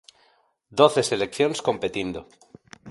Doce seleccións competindo.